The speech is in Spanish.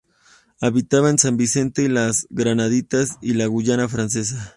Habita en San Vicente y las Granadinas y la Guayana Francesa.